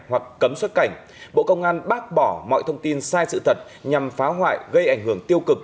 hoặc cấm xuất cảnh bộ công an bác bỏ mọi thông tin sai sự thật nhằm phá hoại gây ảnh hưởng tiêu cực